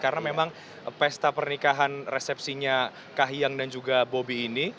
karena memang pesta pernikahan resepsinya kak hiang dan juga bobi ini